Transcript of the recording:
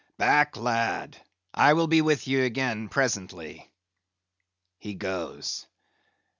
_ "Back, lad; I will be with ye again presently. He goes!